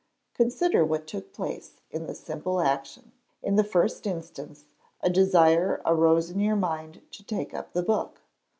Consider what took place in the simple action. In the first instance, a desire arose in your mind to take up the book.